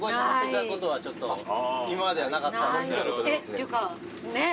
っていうかねえ。